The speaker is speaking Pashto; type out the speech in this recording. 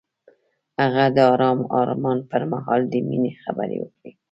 هغه د آرام آرمان پر مهال د مینې خبرې وکړې.